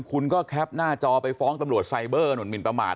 คุณก็แคปหน้าจอไปฟ้องตำรวจไซเบอร์หนุ่นหมินประมาท